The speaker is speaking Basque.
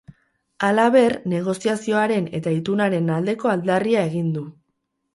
Halaber, negoziazioaren eta itunaren aldeko aldarria egin du.